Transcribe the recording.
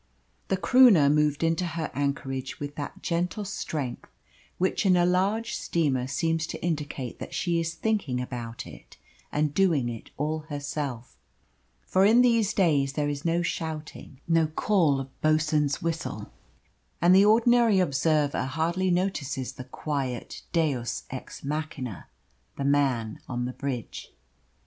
The Croonah moved into her anchorage with that gentle strength which in a large steamer seems to indicate that she is thinking about it and doing it all herself. For in these days there is no shouting, no call of boatswain's whistle; and the ordinary observer hardly notices the quiet deus ex machina, the man on the bridge.